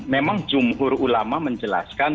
memang jumhur ulama menjelaskan